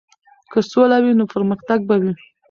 که سوله وي نو پرمختګ به وي.